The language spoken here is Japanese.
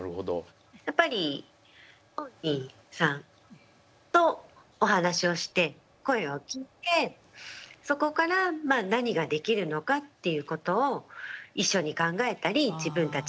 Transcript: やっぱり本人さんとお話をして声を聞いてそこから何ができるのかっていうことを一緒に考えたり自分たちが。